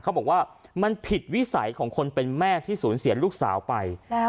เขาบอกว่ามันผิดวิสัยของคนเป็นแม่ที่สูญเสียลูกสาวไปแล้ว